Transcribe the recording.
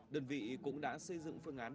đơn vị cũng đã xây dựng phương án